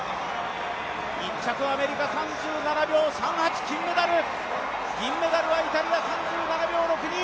１着はアメリカ、３７秒３８、金メダル、銀メダルはイタリア３７秒６２。